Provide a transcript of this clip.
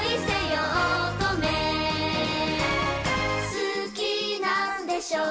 「好きなんでしょう？」